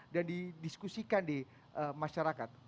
dan di diskusikan di masyarakat